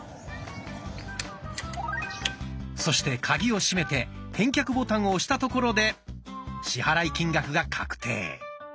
そしてカギを閉めて返却ボタンを押したところで支払い金額が確定。